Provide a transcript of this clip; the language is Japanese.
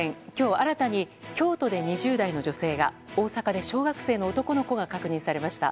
新たに京都で２０代の女性が大阪で小学生の男の子が確認されました。